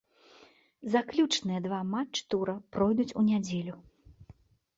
Заключныя два матчы тура пройдуць у нядзелю.